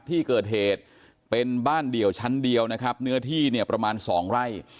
ที่เกิดเหตุเป็นบ้านเดี่ยวชั้นเดียวนะครับเนื้อที่เนี่ยประมาณสองไร่